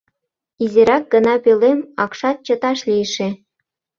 Изирак гына пӧлем, акшат чыташ лийше.